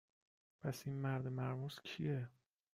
پس این مرد مرموز کیه؟